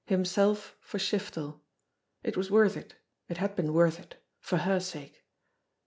Himself for Shiftel ! It was worth it; it had been worth it for her sake.